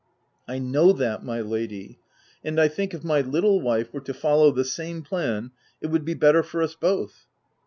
265 <c I know that iny lady ; and I think if my little wife were to follow the same plan it would be better for us both."